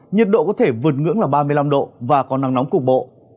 nhiệt độ có thể vượt ngưỡng là ba mươi năm độ và có nắng nóng cục bộ